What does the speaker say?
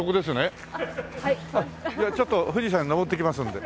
じゃあちょっと富士山に登ってきますんで。